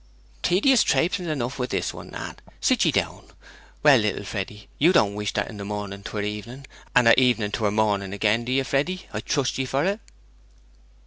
'Tedious traipsing enough with this one, Nat. Sit ye down. Well, little Freddy, you don't wish in the morning that 'twere evening, and at evening that 'twere morning again, do you, Freddy, trust ye for it?'